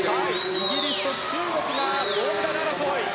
イギリスと中国が銅メダル争い。